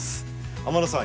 天野さん